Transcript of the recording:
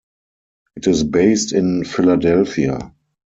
It is based in Philadelphia.